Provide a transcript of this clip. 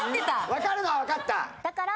分かるのは分かった？だから。